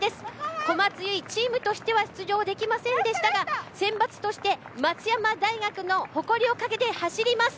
小松優衣、チームとしては出場できませんでしたが選抜として松山大学の誇りを懸けて走ります。